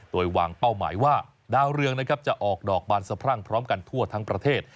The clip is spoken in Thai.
โดยวางเป้าหมายว่าดาวเรืองนะครับจะออกดอกบานสะพรั่งพร้อมกันทั่วทั้งประเทศ